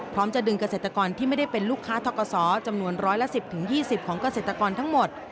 จะดึงเกษตรกรที่ไม่ได้เป็นลูกค้าทกศจำนวนร้อยละ๑๐๒๐ของเกษตรกรทั้งหมด